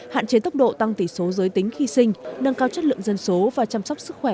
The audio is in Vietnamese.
hạn chế tốc độ tăng tỷ số giới tính khi sinh nâng cao chất lượng dân số và chăm sóc sức khỏe